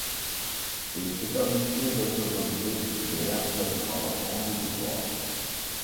Elle établissait la souveraineté populaire et la séparation des pouvoirs.